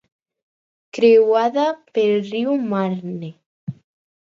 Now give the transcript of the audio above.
Creuada pel riu Marne.